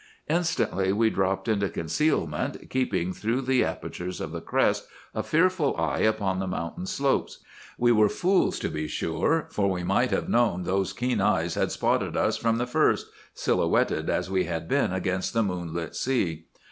"Instantly we dropped into concealment, keeping, through the apertures of the crest, a fearful eye upon the mountain slopes. We were fools, to be sure; for we might have known those keen eyes had spotted us from the first, silhouetted as we had been against the moonlit sea.